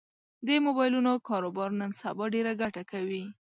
د مبایلونو کاروبار نن سبا ډېره ګټه کوي